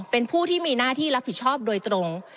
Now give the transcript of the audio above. เป็นผู้ที่มีหน้าที่รับผิดชอบโดยตรง